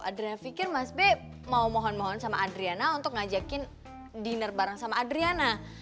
adrafikir mas b mau mohon mohon sama adriana untuk ngajakin dinner bareng sama adriana